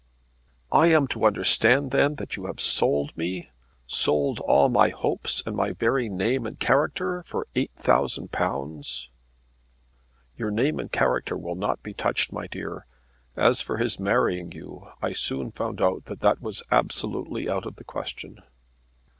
"I am to understand then you have sold me, sold all my hopes and my very name and character, for £8,000!" "Your name and character will not be touched, my dear. As for his marrying you I soon found that that was absolutely out of the question."